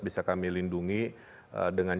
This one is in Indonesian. bisa kami lindungi dengan